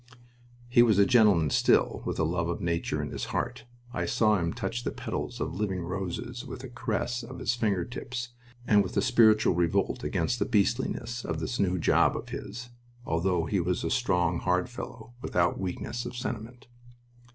He was a gentleman still, with a love of nature in his heart I saw him touch the petals of living roses with a caress in his finger tips and with a spiritual revolt against the beastliness of this new job of his, although he was a strong, hard fellow, without weakness of sentiment.